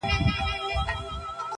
شمع هم د جهاني په غوږ کي وايي٫